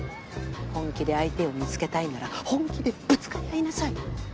本気で相手を見つけたいなら本気でぶつかり合いなさい。